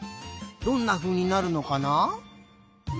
どんなふうになるのかな？